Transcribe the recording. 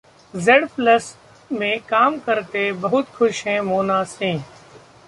'Z plus' में काम करके बहुत खुश हैं मोना सिंह